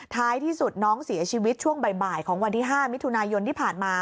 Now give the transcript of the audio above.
ท้ายที่สุดน้องเสียชีวิตช่วงบ่ายของวันที่๕มิถุนายนที่ผ่านมา